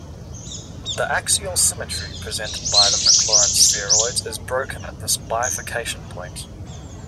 The axial symmetry presented by the McLaurin spheroids is broken at this bifurcation point.